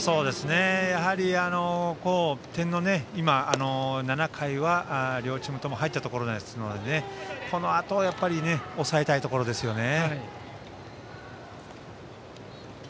やはり点が今、７回は両チームとも入ったところですのでこのあとは抑えたいところですね。